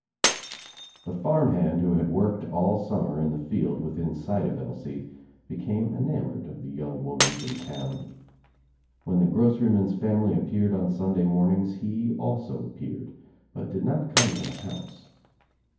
The farm hand who had worked all summer In the field within sight of Elsie became enamoured of the young woman from town. When the groceryman's family appeared on Sunday mornings he also appeared but did not come to the house.